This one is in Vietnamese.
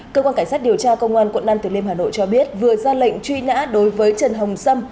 cơ quan cảnh sát điều tra công an quận năm tuyệt liên hà nội cho biết vừa ra lệnh truy nhã đối với trần hồng sâm